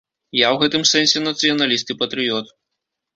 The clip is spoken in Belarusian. Я ў гэтым сэнсе нацыяналіст і патрыёт.